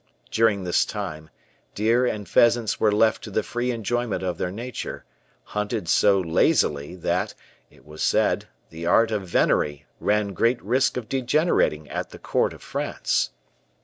During this time, deer and pheasants were left to the free enjoyment of their nature, hunted so lazily that, it was said, the art of venery ran great risk of degenerating at the court of France.